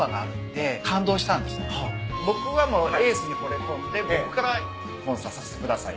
僕はもうエースにほれ込んで僕からスポンサーさせてください。